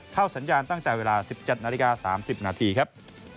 เข้าสัญญาณตั้งแต่เวลา๑๗นาฬิกา๓๐นาทีครับ